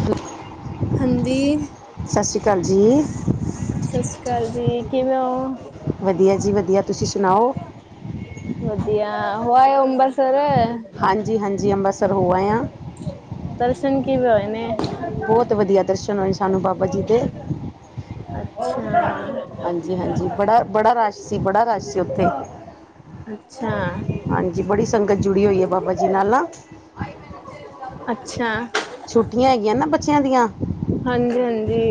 ਦ ਹਾਂਜੀ। ਸਤਿ ਸ਼੍ਰੀ ਅਕਾਲ ਜੀ। ਸਤਿ ਸ਼੍ਰੀ ਅਕਾਲ ਜੀ, ਕਿਵੇਂ ਹੋ? ਵਧੀਆ ਜੀ- ਵਧੀਆ ਤੁਸੀਂ ਸੁਣਾਓ? ਵਧਿਆ, ਹੋ ਆਏ ਹੋ ਅੰਮ੍ਰਿਤਸਰ। ਹਾਂਜੀ, ਹਾਂਜੀ ਅੰਮ੍ਰਿਤਸਰ ਹੋ ਆਏ ਆ। ਦਰਸ਼ਨ ਕਿਵੇ ਹੋਏ ਨੇੇ? ਬਹੁਤ ਵਧੀਆ ਦਰਸ਼ਨ ਹੋਏ ਸਾਨੂੰ ਬਾਬਾ ਜੀ ਦੇ। ਅੱਛਾ। ਹਾਂਜੀ, ਹਾਂਜੀ ਬੜਾ ਬੜਾ ਰਸ਼ ਸੀ, ਬੜਾ ਰਸ਼ ਸੀ ਉੱਥੇ। ਅੱਛਾ, ਹਾਂਜੀ, ਬੜੀ ਸੰਗਤ ਜੁੜੀ ਹੋਈ ਹੈ। ਬਾਬਾ ਜੀ ਨਾਲ ਨਾ। ਅੱਛਾ। ਛੁੱਟੀਆਂ ਹੈਗੀਆਂ ਨਾ ਬੱਚਿਆਂ ਦੀਆਂ। ਹਾਂਜੀ-ਹਾਂਜੀ।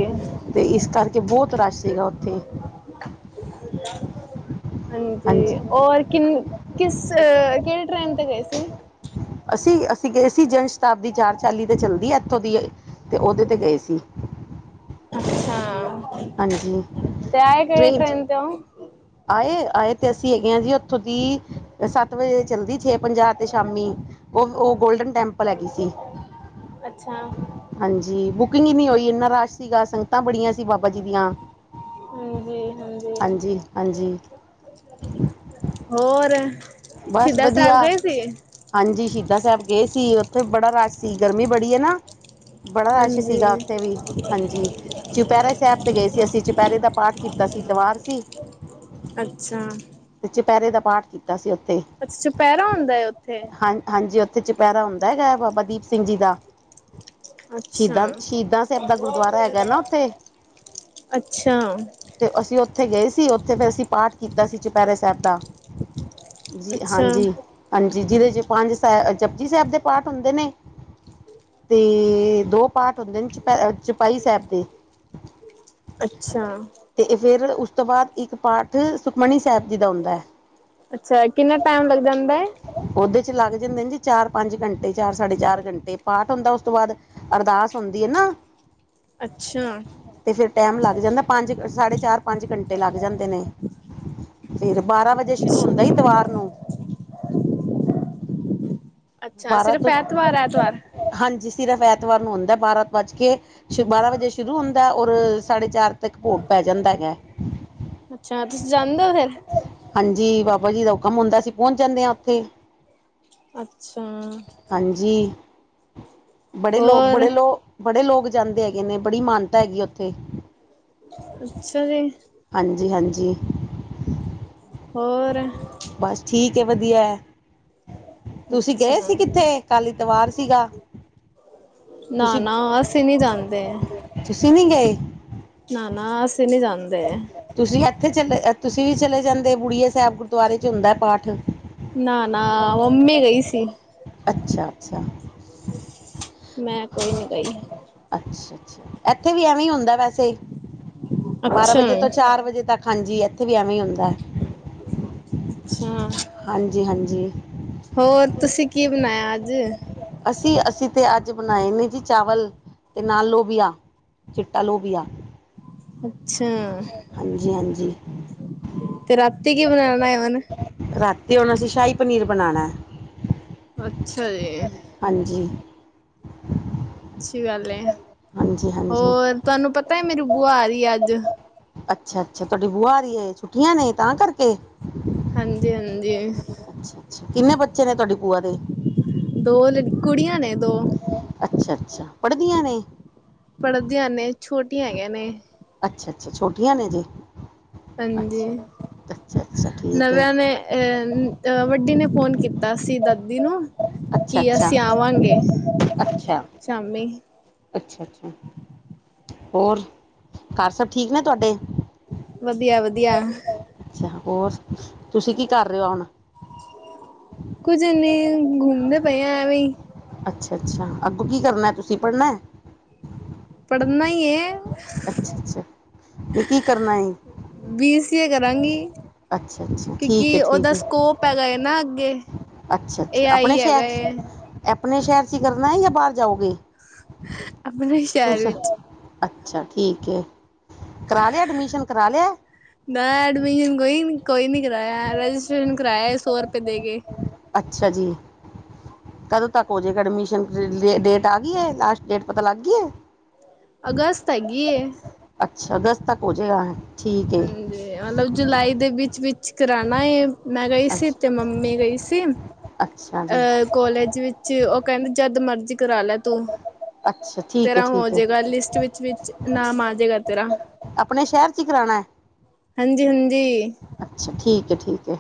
ਤੇ ਇਸ ਕਰਕੇ ਬਹੁਤ ਰਸ਼ ਸੀਗਾ ਉੱਥੇ। ਹ [unintelligible] ਹਾਂਜੀ, ਔਰ ਕਿਨ ਕਿਸ ਕਿਹੜੀ ਟ੍ਰੇਨ ਤੇ ਗਏ ਸੀ? ਅਸੀਂ-ਅਸੀਂ ਗਏ ਸੀ ਜਨ ਸ਼ਤਾਬਦੀ ਚਾਰ ਚਾਲੀ ਤੇ ਚੱਲਦੀ ਆ ਇੱਥੋਂ ਦੀ। ਤੇ ਉਹਦੇ ਤੇ ਗਏ ਸੀ। ਅੱਛਾ, ਹਾਂਜੀ ਤੇ ਆਏ ਕਿਹੜੇ ਟ੍ਰੇਨ ਤੇ ਉਹ? ਆਏ-ਆਏ ਤੇ ਅਸੀਂ ਹੈਗੇ ਹਾਂ ਜੀ ਉੱਥੋਂ ਦੀ ਸੱਤ ਵਜੇ ਚੱਲਦੀ ਛੇ ਪੰਜਾਹ ਤੇ ਸ਼ਾਮੀ ਉਹ-ਉਹ ਗੋਲਡਨ ਟੈਂਪਲ ਹੈਗੀ ਸੀ। ਅੱਛਾ। ਹਾਂਜੀ, ਬੁਕਿੰਗ ਹੀ ਨਹੀਂ ਹੋਈ ਇੰਨਾ ਰਸ਼ ਸੀਗਾ ਸੰ ਸਗਤਾਂ ਬੜੀਆਂ ਸੀ ਬਾਬਾ ਜੀ ਦੀਆਂ ਹਾਂਜੀ। ਹਾਂਜੀ। ਹੋਰ। ਬਸ ਸ਼ਹੀਦਾਂ ਵਧੀਆ। ਸਾਹਿਬ ਗਏ ਸੀ? ਹਾਂਜੀ, ਸ਼ਹੀਦਾਂ ਸਾਹਿਬ ਗਏ ਸੀ, ਉੱਥੇ ਬੜਾ ਰਸ਼ ਸੀ। ਗਰਮੀ ਬੜੀ ਹੈਨਾ। ਬੜਾ ਰਸ਼ ਸੀਗਾ ਹਾਂਜੀ, ਉੱਥੇ ਵੀ ਹਾਂਜੀ। ਚੁਪਹਿਰੇ ਸਾਹਿਬ ਤੇ ਗਏ ਸੀ ਅਸੀਂ ਚੁਪਹਿਰੇ ਦਾ ਪਾਠ ਕੀਤਾ ਐਤਵਾਰ ਸੀ। ਅੱਛਾ। ਤੇ ਚਪਹਿਰੇ ਦਾ ਪਾਠ ਕੀਤਾ ਸੀ ਉੱਥੇ। ਅੱਛਾ, ਚੁਪਹਿਰਾ ਹੁੰਦਾ ਉੱਥੇ। ਹਾਂ ਹਾਂਜੀ, ਉੱਥੇ ਚਪਹਿਰਾ ਹੁੰਦਾ ਹੈਗਾ ਹੈ ਬਾਬਾ ਦੀਪ ਸਿੰਘ ਜੀ ਦਾ। ਅੱਛਾ। ਸ਼ਹੀਦਾਂ-ਸ਼ਹੀਦਾਂ ਸਾਹਿਬ ਦਾ ਗੁਰਦੁਆਰਾ ਹੈਗਾ ਨਾ ਉੱਥੇ, ਅੱਛਾ। ਅੱਛਾ ਤੇ ਅਸੀਂ ਉੱਥੇ ਗਏ ਸੀ, ਉੱਥੇ ਫਿਰ ਅਸੀਂ ਪਾਠ ਕੀਤਾ ਸੀ ਚੁਪਹਿਰੇ ਸਾਹਿਬ ਦਾ। ਜੀ ਅੱਛਾ ਹਾਂਜੀ-ਹਾਂਜੀ, ਜਿਹਦੇ ਚ ਪੰਜ ਸਾਹਿ ਜਪਜੀ ਸਾਹਿਬ ਦੇ ਪਾਠ ਹੁੰਦੇ ਨੇ। ਤੇ ਦੋ ਪਾਠ ਹੁੰਦੇ ਨੇ ਚੋਪਈ ਸਾਹਿਬ ਦੇ। ਅੱਛਾ। ਤੇ ਫਿਰ ਉਸ ਤੋਂ ਬਾਅਦ ਇੱਕ ਪਾਠ ਸੁਖਮਨੀ ਸਾਹਿਬ ਜੀ ਦਾ ਹੁੰਦਾ ਹੈ। ਅੱਛਾ, ਕਿੰਨਨਾ ਟਾਈਮ ਲੱਗ ਜਾਂਦਾ ਹੈ। ਉਹਦੇ ਚ ਲੱਗ ਜਾਂਦੇ ਨੇ ਜੀ ਚਾਰ-ਪੰਜ ਘੰਟੇ ਚਾਰ- ਸਾਢੇ ਚਾਰ ਘੰਟੇ ਪਾਠ ਹੁੰਦਾ ਉਸ ਤੋਂ ਬਾਦ ਅਰਦਾਸ ਹੁੰਦੀ ਹੈ ਨਾ। ਅੱਛਾ। ਤੇ ਫੇਰ ਟੈਮ ਲੱਗ ਜਾਂਦਾ ਪੰਜ-ਸਾਢੇ ਚਾਰ- ਪੰਜ ਘੰਟੇ ਲੱਗ ਜਾਂਦੇ ਨੇ। ਫੇਰ ਬਾਰਾਂ ਵਜੇ ਸ਼ੁਰੂ ਹੁੰਦਾ ਅੱਛਾ ਇਤਵਾਰ ਨੂੰ ਅੱਛਾ ਬਾਰਾਂ ਸਿਰਫ ਤੋਂ ਐਤਵਾਰ-ਐਤਵਾਰ--ਐਤਵਾਰ। ਹਾਂਜੀ, ਸਿਰਫ਼ ਐਤਵਾਰ ਨੂੰ ਹੁੰਦਾ ਬਾਰਹ ਵੱਜ ਕੇ ਬਾਰਾਂ ਵਜੇ ਸ਼ੁਰੂ ਹੁੰਦਾ ਔਰ ਸਾਢੇ ਚਾਰ ਤੱਕ ਭੋਗ ਪੈ ਜਾਂਦਾ ਹੈਗਾ। [unintelligible] ਤੁਸੀਂ ਜਾਂਦੇ ਹੋ ਫਿਰ ਹਾਂਜੀ ਬਾਬਾ ਜੀ ਦਾ ਹੁਕਮ ਹੁੰਦਾ ਅਸੀਂ ਪਹੁੰਚ ਜਾਂਦੇ ਹਾਂ ਉੱਥੇ ਅੱਛਾ ਹਾਂਜੀ ਬੜੇ ਲੋਕ, ਹੋਰ ਬੜੇ ਲੋਕ ਬੜੇ ਲੋਕ ਜਾਂਦੇ ਹੈਗੇ ਨੇ ਬੜੀ ਮਾਨਤਾ ਹੈਗੀ ਉੱਥੇ ਅੱਛਾ ਜੀ। ਹਾਂਜੀ-ਹਾਂਜੀ। ਹੋਰ। ਬਸ ਠੀਕ ਹੈ ਵਧੀਆ ਹੈ। ਤੁਸੀਂ ਗਏ ਸੀ ਅੱਛਾ ਕਿੱਥੇ ਕੱਲ ਇਤਵਾਰ ਸੀਗਾ। ਤੁਸੀਂ ਨਾ-ਨਾ, ਅਸੀਂ ਨਹੀਂ ਜਾਂਦੇ। ਤੁਸੀਂ ਨੀ ਗਏ। ਨ-ਨਾ ਅਸੀਂ ਨੀ ਜਾਦੇ। ਤੁਸੀਂ ਇੱਥੇ ਚਲੇ, ਤੁਸੀਂ ਵੀ ਚਲੇ ਜਾਂਦੇ ਬੁੜੀ ਸਾਹਿਬ ਗੁਰਦੁਆਰੇ ਚ ਹੁੰਦਾ ਹੈ ਪਾਠ। ਨਾ-ਨਾ, ਮਾਮੀ ਗਈ ਸੀ। ਅੱਛਾ-ਅੱਛਾ। ਮੈਂ ਕੋਈ ਨੀ ਗਈ ਅੱਛਾ ਇੱਥੇ ਵੀ ਐਵੇਂ ਹੀ ਹੁੰਦਾ ਵੈਸੇ ਬਾਰਾਂ ਅੱਛਾ ਵਜੇ ਤੋਂ ਚਾਰ ਵਜੇ ਤੱਕ। ਹਾਂਜੀ ਇੱਥੇ ਵੀ ਐਵੇਂ ਹੀ ਹੁੰਦਾ ਅੱਛਾ [unintelligible] ਹਾਂਜੀ ਹਾਂਜੀ ਹੋਰ ਤੁਸੀਂ ਕੀ ਬਣਾਇਆ ਅੱਜ ਅਸੀਂ ਅਸੀਂ ਤਾਂ ਅੱਜ ਬਣਾਏ ਨੇ ਜੀ ਚਾਵਲ ਅਤੇ ਨਾਲ ਲੋਬੀਆ ਚਿੱਟਾ ਲੋਬੀਆ [unintelligible] ਹਾਂਜੀ ਹਾਂਜੀ ਤੇ ਰਾਤੀ ਕੀ ਬਣਾਉਣਾ ਹੈ ਹੁਣ ਰਾਤੀ ਹੁਣ ਅਸੀਂ ਸ਼ਾਹੀ ਪਨੀਰ ਬਣਾਉਣਾ ਐ ਅੱਛਾ ਜੀ ਹਾਂਜੀ ਅੱਛੀ ਗੱਲ ਹੈ ਹਾਂਜੀ ਹਾਂਜੀ ਹੋਰ ਤੁਹਾਨੂੰ ਪਤਾ ਹੈ ਮੇਰੀ ਬੁਆ ਆ ਰਹੀ ਏ ਅੱਜ ਅੱਛਾ ਅੱਛਾ ਤੁਹਾਡੀ ਬੁਆ ਆ ਰਹੀ ਛੁੱਟੀਆਂ ਨੇ ਤਾਂ ਕਰਕੇ ਹਾਂਜੀ ਹਾਂਜੀ ਅੱਛਾ ਅੱਛਾ ਕਿੰਨੇ ਬੱਚੇ ਨੇ ਤੁਹਾਡੀ ਬੂਆ ਦੇ ਦੋ ਲ ਕੁੜੀਆਂ ਨੇ ਦੋ ਅੱਛਾ ਅੱਛਾ ਪੜਦੀਆਂ ਨੇ ਪੜ੍ਹਦੀਿਆਂ ਨੇ ਛੋਟੀਆਂ ਹੈਗੀਆਂ ਨੇ ਅੱਛਾ ਅੱਛਾ ਛੋਟੀਆਂ ਨੇ ਜੀ ਹਾਂਜੀ ਅੱਛਾ ਅੱਛਾ ਅੱਛਾ ਠੀਕ ਹੈ ਨਵਿਆਂ ਨੇ ਅ ਅਹ ਵੱਡੀ ਨੇ ਫੋਨ ਕੀਤਾ ਸੀ ਦਾਦੀ ਨੂੰ ਅੱਛਾ ਕੀ ਅੱਛਾ ਅਸੀਂ ਆਵਾਂਗੇ ਅੱਛਾ, ਸ਼ਾਮੀ ਅੱਛਾ ਅੱਛਾ ਹੋਰ ਘਰ ਸਭ ਠੀਕ ਨੇ ਤੁਹਾਡੇ ਵਧੀਆ ਵਧੀਆ ਅੱਛਾ ਹੋਰ ਤੁਸੀਂ ਕੀ ਕਰ ਰਹੇ ਹੋ ਹੁਣ ਕੁਝ ਨਹੀਂ ਘੁੰਮਦੇ ਪਏ ਐਵੇਂ ਅੱਛਾ ਅੱਛਾ ਅੱਗੋਂ ਕੀ ਕਰਨਾ ਤੁਸੀਂ ਪੜ੍ਹਨਾ ਪੜ੍ਹਨਾ ਈ ਏ ਅੱਛਾ ਅੱਛਾ ਨਹੀਂ ਕੀ ਕਰਨਾ ਏ ਬੀਸੀਏ ਕਰਾਂਗੀ ਅੱਛਾ, ਅੱਛਾ ਠੀਕ ਹੈ, ਕਿਉਂਕਿ ਠੀਕ ਉਹਦਾ ਹੈ ਸਕੋਪ ਹੈਗਾ ਨਾ ਅੱਗੇ ਅੱਛਾ ਏ ਅੱਛਾ ਆਪਣੇ ਆਈ ਸ਼ਹਿਰ ਹੈਗਾ ਏ ਚ ਆਪਣੇ ਸ਼ਹਿਰ ਚ ਹੀ ਕਰਨਾ ਹੈ ਜਾਂ ਬਾਹਰ ਜਾਓਗੇ [unintelligible] ਦੂਸਰੇ ਅੱਛਾ ਠੀਕ ਹੈ ਕਰਾ ਲਿਆ ਐਡਮਿਸ਼ਨ ਕਰਾ ਲਿਆ ਮੈਂ ਐਡਮਿਸ਼ਨ ਕੋਈ ਕੋਈ ਨੀ ਕਰਾਇਆ ਰਜਿਸਟ੍ਰੇਸ਼ਨ ਕਰਇਆ ਸੌ ਰੁਪਏ ਦੇ ਕੇ ਅੱਛਾ ਜੀ ਕਦੋਂ ਤੱਕ ਹੋ ਜਾਏਗਾ ਅਡਮਿਸ਼ਨ, ਡੇਟ ਆ ਗਈ ਹੈ, ਲਾਸਟ ਡੇਟ ਪਤਾ ਲੱਗ ਗੀ ਏ। ਅਗਸਤ ਹੈਗੀ ਏ। ਅੱਛਾ ਅਗਸਤ ਤੱਕ ਹੋ ਜਾਏਗਾ, ਹੈ। ਠੀਕ ਹਾਂਜੀ, ਮਤਲਬ ਜੁਲਾਈ ਦੇ ਵਿੱਚ ਵਿਚ ਕਰਾਉਣਾ ਹੈ। ਮੈਂ ਗਈ ਸੀ ਅੱਛਾ, ਤੇ ਮੰਮੀ ਗਈ ਸੀ ਅੱਛਾ ਜੀ ਅਹ ਕੋਲੇਜ ਵਿੱਚ ਉਹ ਕਹਿੰਦੇ ਜਦ ਮਰਜੀ ਕਰਾ ਲੈ ਤੂੰ ਅੱਛਾ ਠੀਕ ਹੈ ਤੇਰਾ ਹੋ ਠੀਕ ਹੈ ਜੇਗਾ ਲਿਸਟ ਵਿਚ ਵਿਚ ਨਾਮ ਆ ਜੇਗਾ ਤੇਰਾ ਆਪਣੇ ਸ਼ਹਿਰ ਚ ਈ ਕਰਾਉਣਾ ਐ ਹਾਂਜੀ ਹਾਂਜੀ ਅੱਛਾ ਠੀਕ ਐ ਠੀਕ ਐ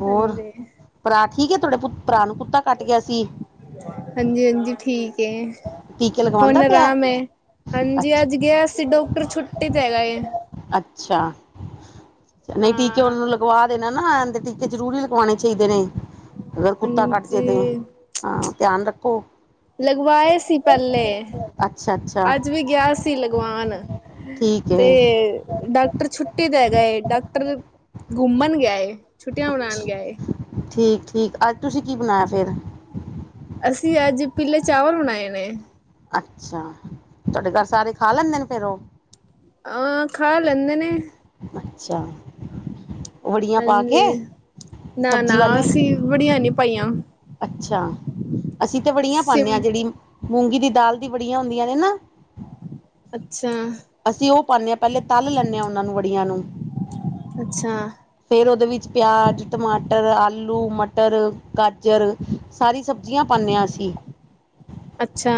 ਹੋਰ ਹਾਂਜੀ, ਭਰਾ ਠੀਕ ਏ ਤੁਹਾਡੇ ਪੁ ਭਰਾ ਨੂੰ ਕੁੱਤਾ ਕੱਟ ਗਿਆ ਸੀ ਹਾਂਜੀ ਹਾਂਜੀ ਠੀਕ ਏ ਟੀਕੇ ਹੁਣ ਲਗਵਾਉਂਦਾ ਪਿਆ ਆਰਾਮ ਹੈ ਹਾਂਜੀ ਅੱਛਾ ਅੱਜ ਗਿਆ ਸੀ ਡਾਕਟਰ ਛੁੱਟੀ ਤੇ ਹੈਗਾ ਏ ਅੱਛਾ ਨਹੀਂ [unintelligible] ਹਾਂ ਉਹਨਾਂ ਨੂੰ ਲਵਾ ਦੇਣਾ ਨਾ ਟੀਕੇ ਜ਼ਰੂਰੀ ਲਗਵਾਉਣੇ ਚਾਹੀਦੇ ਨੇ ਅਗਰ ਕੁੱਤਾ ਕੱਟ ਜੇ ਹਾਂਜੀ ਤੇ, ਹਾਂ, ਧਿਆਨ ਰੱਖੋ। ਲਗਵਾਏ ਸੀ ਪਹਿਲੇ। ਅੱਛਾ ਅੱਛਾ ਅੱਜ ਵੀ ਗਿਆ ਸੀ ਲਗਵਾਨ, ਠੀਕ ਤੇ ਹੈ ਡਾਕ ਡਾਕਟਰ ਛੁੱਟੀ ਤੇ ਹੈਗਾ ਏ, ਡਾਕਟਰ ਘੁੰਮਣ ਗਿਆ ਏ, ਛੁੱਟੀਆਂ ਬਣਾਉਣ ਅੱਛਾ ਗਿਆ ਏ। ਠੀਕ ਠੀਕ, ਅੱਜ ਤੁਸੀਂ ਕੀ ਬਣਾਇਆ ਫੇਰ। ਅਸੀਂ ਅੱਜ ਪੀਲੇ ਚਾਵਲ ਬਣਾਏ ਨੇ। ਅੱਛਾ, ਤੁਹਾਡੇ ਘਰ ਸਾਰੇ ਖਾ ਲੈਂਦੇ ਨੇ ਫੇਰ ਉਹ। ਹਾਂ ਖਾ ਲੈਂਦੇ ਨੇ ਅੱਛਾ, ਉ ਵੜੀਆਂ ਪਾ ਕੇ। ਹਾਂਜੀ ਨਾ ਸਬਜ਼ੀ ਨਾ, ਵਾਲੇ ਅਸੀਂ ਵੜੀਆਂ ਨੀ ਪਾਇਆਂ। ਅੱਛਾ ਅਸੀਂ ਤੇ ਵੜੀਆਂ ਪਾਉਦੇ ਹਾਂ, ਜਿਹੜੀ ਮੂੰਗੀ ਦੀ ਦਾਲ ਦੀ ਵੜੀਆਂ ਹੁੰਦੀਆਂ ਨੇ ਨਾ। ਅੱਛਾ ਅਸੀਂ ਉਹ ਪਾਉਂਨੇ ਹਾਂ, ਪਹਿਲੇ ਤਲ ਲੈਂਦੇ ਹਾਂ ਉਹਨਾਂ ਨੂੰ ਵੜੀਆਂ ਨੂੰ। ਅੱਛਾ ਫੇਰ ਉਹਦੇ ਵਿੱਚ ਪਿਆਜ ਟਮਾਟਰ ਆਲੂ ਮਟਰ ਗਾਜਰ, ਸਾਰੀ ਸਬਜ਼ੀਆਂ ਪਾਉਂਨੇ ਆ ਅਸੀਂ। ਅੱਛਾ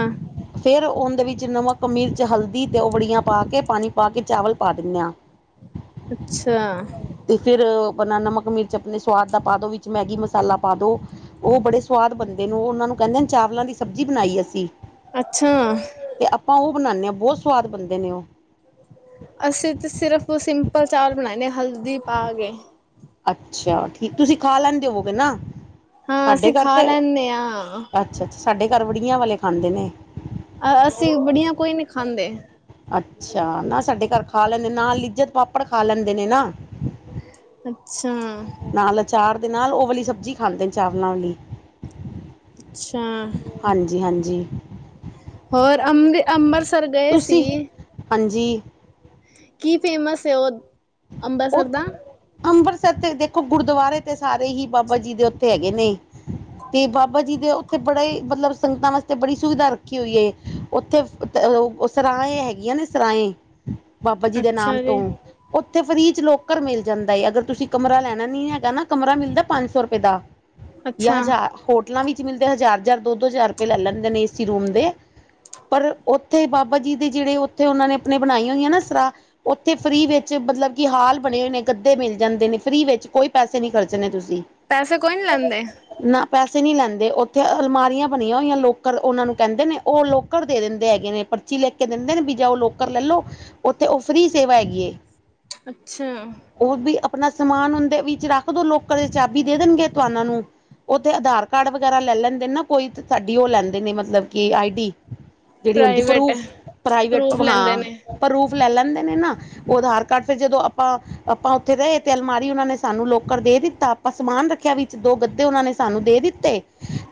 ਫੇਰ ਉਹਦੇ ਵਿੱਚ ਨਮਕ ਮਿਰਚ ਹਲਦੀ ਤੇ ਔ ਵੜੀਆਂ ਪਾ ਕੇ, ਪਾਣੀ ਪਾ ਕੇ, ਚਾਵਲ ਪਾ ਦਿੰਨੇ ਆਂ। ਅੱਛਾ ਤੇ ਫਿਰ ਬਣਾ ਨਮਕ ਮਿਰਚ ਆਪਣੇ ਸਵਾਦ ਦਾ ਪਾ ਦੋ, ਵਿੱਚ ਮੈਗੀ ਮਸਾਲਾ ਪਾ ਦੋ। ਉਹ ਬੜੇ ਸਵਾਦ ਬਣਦੇ ਨੇ, ਉਹ ਉਹਨਾਂ ਨੂੰ ਕਹਿੰਦੇ ਚਾਵਲਾਂ ਦੀ ਸਬਜ਼ੀ ਬਣਾਈ ਅਸੀਂ। ਅੱਛਾ ਤੇ ਆਪਾਂ ਉਹ ਬਣਾਉਂਨੇ ਆਂ, ਬਹੁਤ ਸਵਾਦ ਬਣਦੇ ਨੇ ਉਹ। ਅਸੀਂ ਤੇ ਸਿਰਫ ਸਿੰਪਲ ਚਾਵਲ ਬਣਾਯੇ ਨੇ, ਹਲਦੀ ਪਾ ਕੇ। ਅੱਛਾ, ਠੀਕ ਤੁਸੀਂ ਖਾ ਲੈਦੇ ਹੋਵੋਗੇ ਨਾ। ਹਾਂ ਅਸੀਂ ਸਾਡੇ ਘਰ ਖਾ ਤੇ ਲੈਂਨੇ ਆਂ। ਅੱਛਾ ਅੱ ਸਾਡੇ ਘਰ ਵੜੀਆਂ ਵਾਲੇ ਖਾਂਦੇ ਨੇ। ਅ ਅਸੀਂ ਬੜੀਆਂ ਕੋਈ ਨਹੀਂ ਖਾਂਦੇ। ਅੱਛਾ ਨਾ ਸਾਡੇ ਘਰ ਖਾ ਲੈਂਦੇ, ਨਾਲ ਲਿਜਤ ਪਾਪੜ ਖਾ ਲੈਂਦੇ ਨੇ ਨਾ। ਅੱਛਾ ਨਾਲ ਅਚਾਰ ਦੇ ਨਾਲ, ਉਹ ਵਾਲੀ ਸਬਜ਼ੀ ਖਾਂਦੇ ਨੇ ਚਾਵਲਾਂ ਵਾਲੀ। ਅੱਛਾ ਹਾਂਜੀ ਹਾਂਜੀ ਹੋਰ ਅੰ ਅੰਮ੍ਰਿਤਸਰ ਗਏ ਸੀ ਤੁਸੀਂ ਹਾਂਜੀ ਕੀ ਫੇਮਸ ਹੈ, ਉਹ ਅੰਬਰਿਸਰ ਉਹ ਦਾ ਅੰਮ੍ਰਿਤਸਰ ਤੇ ਦੇਖੋ ਗੁਰਦੁਆਰੇ ਤੇ ਸਾਰੇ ਹੀ ਬਾਬਾ ਜੀ ਦੇ ਉੱਥੇ ਹੈਗੇ ਨੇ। ਤੇ ਬਾਬਾ ਜੀ ਦੇ ਉੱਥੇ, ਬੜੇ ਮਤਲਬ ਸੰਗਤਾਂ ਵਾਸਤੇ ਬੜੀ ਸੁਵਿਧਾ ਰੱਖੀ ਹੋਈ ਏ। ਉੱਥੇ ਸਰਾਏ ਹੈਗੀਆਂ ਨੇ ਸਰਾਏ ਬਾਬਾ ਜੀ ਦੇ ਨਾਮ ਅੱਛਾ ਤੋਂ ਜੀ ਉੱਥੇ ਫਰੀੀਜ਼ ਲੋਕਰ ਮਿਲ ਜਾਂਦਾ ਏ ਅਗਰ ਤੁਸੀਂ ਕਮਰਾ ਲੈਣਾ ਨੀ ਹੈਗਾ ਨਾ ਕਮਰਾ ਮਿਲਦਾ ਪੰਜ ਸੌ ਰੁਪਏ ਦਾ ਜਾਂ ਅੱਛਾ ਹਜ਼ਾਰ, ਹੋਟਲਾਂ ਵਿੱਚ ਮਿਲਦੇ ਹਜ਼ਾਰ ਹਜ਼ਾਰ ਦੋ ਦੋ ਹਜ਼ਾਰ ਰੁਪਏ ਲੈ ਲੈਂਦੇ ਨੇ ਇਸਏ ਰੂਮ ਦੇ। ਪਰ ਉੱਥੇ ਬਾਬਾ ਜੀ ਦੇ ਜਿਹੜੇ ਉੱਥੇ ਉਹਨਾਂ ਨੇ ਆਪਣੇ ਬਣਾਈਆਂ ਹੋਈਆਂ ਨਾ ਸਰਾਹ, ਔਥੇ ਫ੍ਰੀ ਵੇ। ਮਤਲਬ ਕਿ ਹਾਲ ਬਣੇ ਹੋਏ ਨੇ, ਗੱਦੇ ਮਿਲ ਜਾਂਦੇ ਨੇ ਫ੍ਰੀ ਵਿੱਚ, ਕੋਈ ਪੈਸੇ ਨਹੀਂ ਖਰਚਣੇ ਤੁਸੀਂ। ਪੈਸੇ ਕੋਈ ਨੀ ਲੈਂਦੇ ਨਾ ਪੈਸੇ ਨਹੀਂ ਲੈਂਦੇ, ਉੱਥੇ ਅਲਮਾਰੀਆਂ ਬਣੀਆਂ ਹੋਈਆਂ ਲੌਕਰ, ਔਹਨਾਂ ਨੂੰ ਕਹਿੰਦੇ ਨੇ, ਉਹ ਲੌਕਰ ਦੇ ਦਿੰਦੇ ਹੈਗੇ ਨੇ ਪਰਚੀ ਲਿਖ ਕੇ ਦਿੰਦੇ ਨੇ ਵੀ ਜਾਂਯੋ, ਲੋਕਰ ਲੈ ਲੋ, ਉੱਥੇ ਉਹ ਫ੍ਰੀ ਸੇਵਾ ਹੈਗੀ ਏ। ਅੱਛਾ ਉਹ ਵੀ ਆਪਣਾ ਸਮਾਨ ਉਹਦੇ ਵਿੱਚ ਰੱਖ ਦੋ, ਲੌਕਰ ਦੀ ਚਾਬੀ ਦੇ ਦੇਣਗੇ, ਤੁਹਾਨਾ ਨੂੰ। ਉੱਥੇ ਆਧਾਰ ਕਾਰਡ ਵਗੈਰਾ ਲੈ ਲੈਂਦੇ ਨਾ ਕੋਈ ਸਾਡੀ ਉਹ ਲੈਂਦੇ ਨੇ ਮਤਲਬ ਕਿ ਆਈ ਡੀ। ਜਿਹੜੀ ਹੁੰਦੀ ਪ੍ਰਾਈਵੇਟ ਪਰੂਫ ਪ੍ਰਾਈਵੇਟ ਪਰੂਫ ਲੈਂਦੇ ਨੇ ਹਾਂ ਪਰੂਫ ਲੈ ਲੈਂਦੇ ਨੇ ਨਾ ਉਹ ਆਧਾਰ ਫਿਰ ਜਦੋਂ ਆਪਾਂ ਆਪਾਂ ਉੱਥੇ ਰਹੇ ਤੇ ਅਲਮਾਰੀ ਉਹਨਾਂ ਨੇ ਸਾਨੂੰ ਲੋਕਰ ਦੇ ਦਿੱਤਾ ਆਪਾਂ ਸਮਾਨ ਰੱਖਿਆ ਵਿੱਚ, ਦੋ ਗੱਦੇ ਉਹਨਾਂ ਨੇ ਸਾਨੂੰ ਦੇ ਦਿੱਤੇ।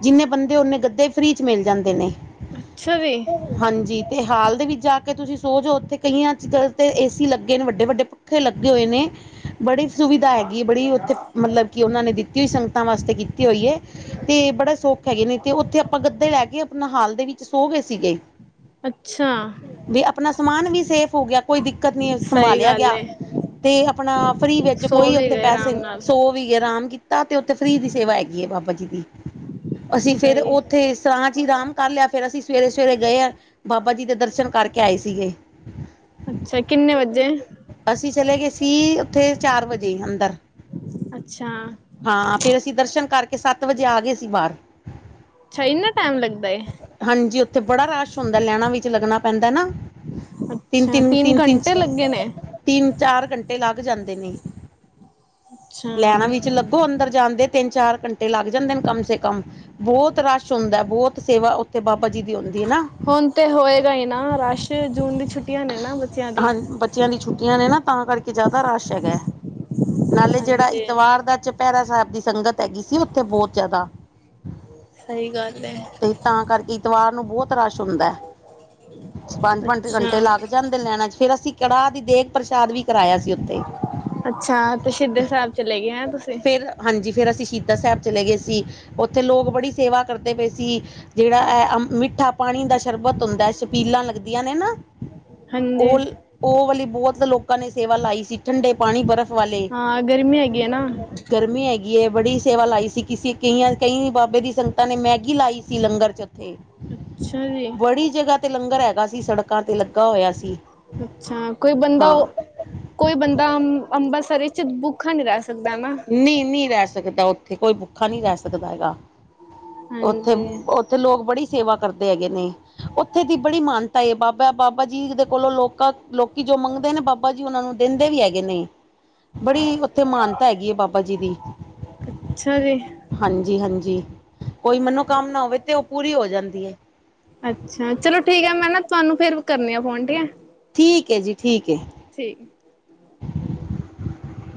ਜਿੰਨੇ ਬੰਦੇ ਉਨੇ ਗੱਦੇ ਫ੍ਰਰੀ ਵਿੱਚ ਮਿਲ ਜਾਂਦੇ ਨੇ ਅੱਛਾ ਜੀ ਹਾਂਜੀ ਤੇ ਹਾਲ ਦੇ ਵਿੱਚ ਜਾ ਕੇ ਤੁਸੀਂ ਸੋ ਜੌ ਉੱਥੇ ਕਈਆਂ ਤੇ ਏਸੀ ਲੱਗੇ ਨੇ ਵੱਡੇ ਵੱਡੇ ਉੱਥੇ ਲੱਗੇ ਹੋਏ ਨੇ ਬੜੀ ਸੁਵਿਧਾ ਹੈਗੀ ਹੈ। ਬੜੀ ਉੱਥੇ ਮਤਲਬ ਕਿ ਉਹਨਾਂ ਨੇ ਦਿੱ ਕੀ ਸੰਗਤਾਂ ਵਾਸਤੇ ਕੀਤੀ ਹੋਈ ਹੈ। ਤੇ ਬੜਾ ਸੁੱਖ ਹੈਗੇ ਨੇ ਤੇ ਉੱਥੇ ਆਪਾਂ ਗੱਦੇ ਲੈ ਕੇ ਆਪਣਾ ਹਾਲ ਦੇ ਵਿੱਚ ਸੋਗੈ ਸੀਗੇ। ਅੱਛਾ ਵੀ ਆਪਣਾ ਸਮਾਨ ਵੀ ਸੇਫ ਹੋ ਗਿਆ ਕੋਈ ਦਿੱਕਤ ਨੀ ਸਹੀ ਸੰਭਾਲਿਆ ਗੱਲ ਗਿਆ ਏ ਤੇ ਆਪਣਾ ਫ੍ਰਰੀ ਵਿੱਚ ਸੋ ਕੋਈ ਵੀ ਉੱਥੇ ਗਏ ਪੈਸੇ ਆਰਾਮ ਨਾਲ ਸੌ ਵੀ ਆਰਾਮ ਕੀਤਾ ਤੇ ਉੱਥੇ ਫ੍ਰਰੀ ਦੀ ਸੇਵਾ ਹੈਗੀ ਹੈ ਬਾਬਾ ਜੀ ਦੀ ਅਸੀਂ ਫੇਰ ਸਹੀ ਉੱਥੇ ਸਰਾਂ 'ਚ ਹੀ ਆਰਾਮ ਕਰ ਲਿਆ ਫਿਰ ਅਸੀਂ ਸਵੇਰੇ ਸਵੇਰੇ ਗਏ ਹਾਂ, ਬਾਬਾ ਜੀ ਦੇ ਦਰਸ਼ਨ ਕਰਕੇ ਆਏ ਸੀਗੇ। ਅੱਛਾ ਕਿੰਨੇ ਵਜੇ ਅਸੀਂ ਚਲੇ ਗਏ ਸੀ ਉੱਥੇ ਚਾਰ ਵਜੇ ਅੰਦਰ ਅੱਛਾ ਹਾਂ ਫ਼ਿਰ ਅਸੀਂ ਦਰਸ਼ਨ ਕਰਕੇ ਸੱਤ ਵਜੇ ਆ ਗਏ ਸੀ ਬਾਹਰ। ਅੱਛਾ ਇੰਨਾ ਟਾਈਮ ਲੱਗਦਾ ਹੇ ਹਾਂਜੀ ਉੱਥੇ ਬੜਾ ਰਸ਼ ਹੁੰਦਾ ਲੈਨਾ ਵਿੱਚ ਲੱਗਣਾ ਪੈਂਦਾ ਨਾ ਤਿੰਨ ਅੱਛਾ ਤਿੰਨ ਤਿੰਨ ਤਿੰਨ ਚ ਘੰਟੇ ਲੱਗੇ ਨੇ ਤਿੰਨ ਚਾਰ ਘੰਟੇ ਲੱਗ ਜਾਂਦੇ ਨੇ, ਅੱਛਾ ਲੈਣਾ ਵੀ ਲੱਗੋ ਅੰਦਰ ਜਾਂਦੇ ਤਿੰਨ ਚਾਰ ਘੰਟੇ ਲੱਗ ਜਾਂਦੇ ਨੇ ਕਮ ਸੇ ਕਮ ਬਹੁਤ ਰਸ਼ ਹੁੰਦਾ ਬਹੁਤ ਸੇਵਾ ਉੱਥੇ ਬਾਬਾ ਜੀ ਦੀ ਹੁੰਦੀ ਹੈ ਨਾ ਹੁਣ ਤੇ ਹੋਏਗਾ ਹੀ ਨਾ ਰਸ਼ ਜੂਨ ਦੀ ਛੁੱਟੀਆਂ ਨੇ ਨਾ ਬੱਚਿਆਂ ਦੀ ਹਾਂ ਬੱਚਿਆਂ ਦੀ ਛੁੱਟੀਆਂ ਨੇ ਨਾ ਤਾਂ ਕਰਕੇ ਜ਼ਿਆਦਾ ਰਸ਼ ਹੈਗਾ ਹੈ, ਨਾਲੇ ਜਿਹੜਾ ਹਾਂਜੀ ਇਤਵਾਰ ਦਾ ਚੁਪਹਿਰਾ ਸਾਹਿਬ ਦੀ ਸੰਗਤ ਹੈਗੀ ਸੀ ਉੱਥੇ ਬਹੁਤ ਜ਼ਿਆਦਾ ਸਹੀ ਗੱਲ ਐ ਤੇ ਤਾਂ ਕਰਕੇ ਇਤਵਾਰ ਨੂੰ ਬਹੁਤ ਰਸ਼ ਹੁੰਦਾ ਹੈ। ਪੰਜ ਪੰਜ ਅੱਛਾ ਘੰਟੇ ਲੱਗ ਜਾਂਦੇ ਲੈਣਾ ਚ ਫੇਰ ਅਸੀਂ ਕੜਾਹ ਦੀ ਦੇਗ਼ ਪ੍ਰਸ਼ਾਦ ਵੀ ਕਰਾਇਆ ਸੀ ਉਥੈ, ਅੱਛਾ ਤੇ ਸ਼ਹੀਦ ਸਾਹਿਬ ਚਲੇ ਗਏ ਹੈ ਤੁਸੀਂ ਫਿਰ ਹਾਂਜੀ ਫਿਰ ਅਸੀਂ ਸ਼ਹੀਦਾ ਸਾਹਿਬ ਚਲੇ ਗਏ ਸੀ, ਉੱਥੇ ਲੋਕ ਬੜੀ ਸੇਵਾ ਕਰਦੇ ਪਏ ਸੀ। ਜਿਹੜਾ ਇਹ ਮਿੱਠਾ ਪਾਣੀ ਦਾ ਸ਼ਰਬਤ ਹੁੰਦਾ, ਛਬੀਲਾਂ ਲੱਗਦੀਆਂ ਨੇ ਨਾ ਹਾਂਜੀ ਉਹ ਉਹ ਵਾਲੀ ਬਹੁਤ ਲੋਕਾਂ ਨੇ ਸੇਵਾ ਲਾਈ ਸੀ ਠੰਡੇ ਪਾਣੀ ਬਰਫ਼ ਵਾਲੇ ਹਾਂ ਗਰਮੀ ਹੈਗੀ ਹੈ ਨਾ ਗਰਮੀ ਹੈਗੀ ਏ ਬੜੀ ਸੇਵਾ ਲਾਈ ਸੀ ਕਿਸੇ ਕਈਆਂ ਕਈ ਬਾਬੇ ਦੀ ਸੰਗਤਾਂ ਨੇ ਮੈਗੀ ਲਾਈ ਸੀ ਲੰਗਰ ਚ ਅੱਛਾ ਜੀ ਬੜੀ ਜਗ੍ਹਾ ਤੇ ਲੰਗਰ ਹੈਗਾ ਸੀ ਸੜਕਾਂ ਤੇ ਲੱਗਾ ਹੋਇਆ ਸੀ। ਅੱਛਾ ਕੋਈ ਬੰਦਾ ਹਾਂ। ਕੋਈ ਬੰਦਾ ਅੰਬਰਸਰ ਵਿੱਚ ਭੁੱਖਾ ਨਹੀ ਰਹਿ ਸਕਦਾ ਨਾ। ਨਹੀਂ ਨਹੀਂ ਰਹਿ ਸਕਦਾ ਉੱਥੇ ਕੋਈ ਭੁੱਖਾ ਨਹੀ ਰਹਿ ਸਕਦਾ ਹੈਗਾ, ਹਾਂਜੀ ਉੱਥੇ ਲੋਕ ਬੜੀ ਸੇਵਾ ਕਰਦੇ ਹੈਗੇ ਨੇ ਉੱਥੇ ਦੀ ਬੜੀ ਮਾਨਤਾ ਏ ਬਾਬਾ- ਬਾਬਾ ਜੀ ਦੇ ਕੋਲੋਂ ਲੋਕਾਂ ਲੋਕੀ ਜੋ ਮੰਗਦੇ ਨੇ ਬਾ ਬਾਬਾ ਜੀ ਉਹਨਾ ਨੂੰ ਦਿੰਦੇ ਵੀ ਹੈਗੇ ਨੇ। [inaudible] ਬੜੀ ਉੱਥੇ ਮਾਨਤਾ ਹੈਗੀ ਆ ਬਾਬਾ ਜੀ ਦੀ ਅੱਛਾ ਜੀ ਹਾਂਜੀ ਹਾਂਜੀ ਕੋਈ ਮਨੋਕਾਮਨਾ ਨਾ ਹੋਵੇ ਤੇ ਉਹ ਪੂਰੀ ਹੋ ਜਾਂਦੀ ਹੈ। ਅੱਛਾ ਚਲੋ ਠੀਕ ਹੈ ਮੈਂ ਨਾ ਤੁਹਾਨੂੰ ਫਿਰ ਕਰਨੀਆਂ ਪਉਣ ਡੀਆਂ ਠੀਕ ਹੈ ਜੀ ਠੀਕ ਹੈ [inaudible]